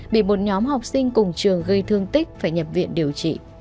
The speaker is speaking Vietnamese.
bị một nhóm học sinh cùng trường gây thương tích phải nhập viện điều trị